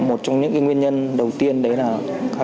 một trong những nguyên nhân đầu tiên là các doanh nghiệp